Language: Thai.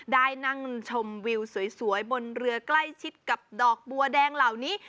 ได้นั่งชมวิวสวยบนเรือใกล้ชิดกับดอกบัวแดงเหล่านี้